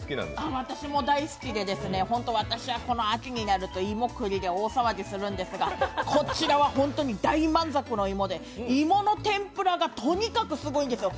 私も大好きで、私も秋になると、芋栗で大騒ぎするんですが、こちらは本当に大満足の芋で芋の天ぷらがとにかくすごいんですよ。